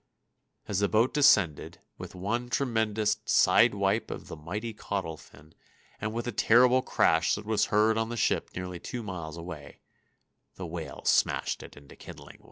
As the boat descended, with one tremendous "side wipe" of the mighty caudal fin, and with a terrible crash that was heard on the ship nearly two miles away, the whale smashed it into kindling wood.